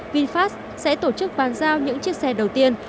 vinfast sẽ tổ chức bàn giao những chiếc xe đầu tiên